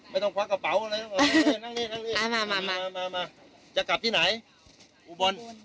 ไม่ต้องควักกระเป๋าอะไรนั่งนี่นั่งนี่มามามามาจะกลับที่ไหนอุบล